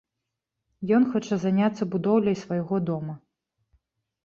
Ён хоча заняцца будоўляй свайго дома.